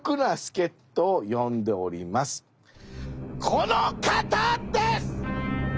この方です！